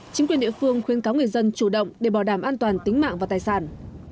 chính quyền địa phương khuyên cáo người dân chủ động để bảo đảm an toàn tính mạng và tài sản